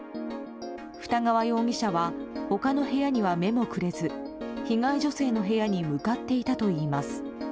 二川容疑者は他の部屋には目もくれず被害女性の部屋に向かっていたといいます。